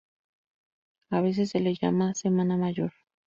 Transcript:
A veces se la llama Semana Mayor.